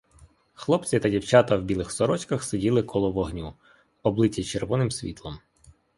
Хлопці та дівчата в білих сорочках сиділи коло вогню, облиті червоним світом.